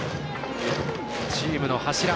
チームの柱。